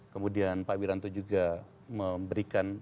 kemudian pak wiranto juga memberikan